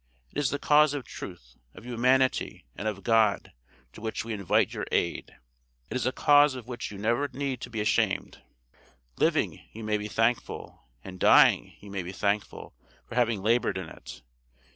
It is the cause of truth, of humanity, and of God, to which we invite your aid. It is a cause of which you never need be ashamed. Living, you may be thankful, and dying, you may be thankful, for having labored in it.